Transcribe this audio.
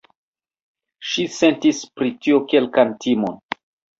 Ŝi sentis pri tio kelkan timon.